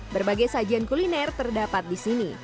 berbagai sajian kuliner terdapat di sini